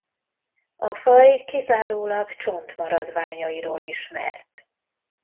A faj kizárólag csontmaradványairól ismert.